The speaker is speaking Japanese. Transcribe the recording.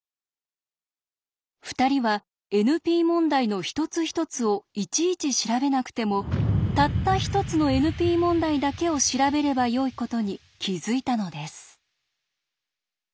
２人はＮＰ問題の一つ一つをいちいち調べなくてもたった１つのＮＰ問題だけを調べればよいことに気付いたのです。